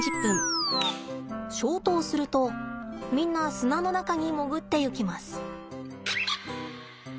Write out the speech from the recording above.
消灯するとみんな砂の中に潜っていきます。